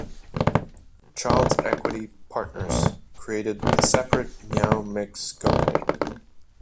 Childs Equity Partners, creating the separate Meow Mix Company.